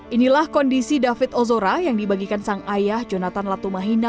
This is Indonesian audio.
inilah kondisi david ozora yang dibagikan sang ayah jonathan latumahina